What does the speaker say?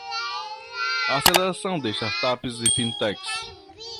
Aceleração de startups e fintechs